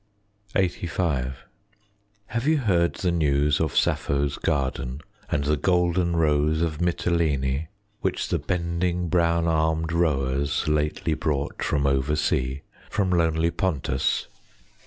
LXXXV Have you heard the news of Sappho's garden, And the Golden Rose of Mitylene, Which the bending brown armed rowers lately Brought from over sea, from lonely Pontus?